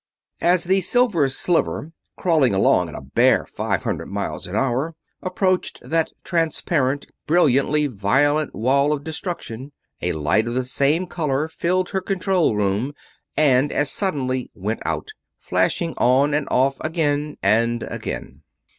As the Silver Sliver, crawling along at a bare five hundred miles an hour, approached that transparent, brilliantly violet wall of destruction, a light of the same color filled her control room and as suddenly went out; flashing on and off again and again.